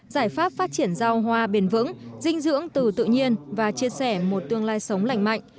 giải pháp phát triển rau hoa bền vững dinh dưỡng từ tự nhiên và chia sẻ một tương lai sống lành mạnh